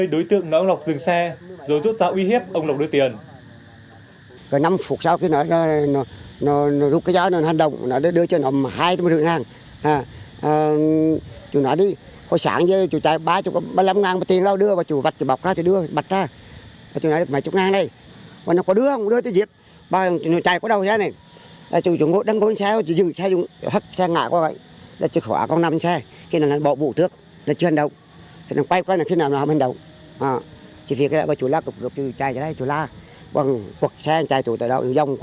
đến nơi đối tượng nói ông lọc dừng xe rồi rút dao uy hiếp ông lọc đưa tiền